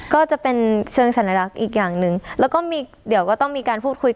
ก็จะเป็นเชิงสัญลักษณ์อีกอย่างหนึ่งแล้วก็มีเดี๋ยวก็ต้องมีการพูดคุย